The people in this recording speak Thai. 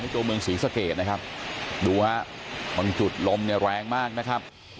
ตัวเมืองศรีสะเกดนะครับดูฮะบางจุดลมเนี่ยแรงมากนะครับ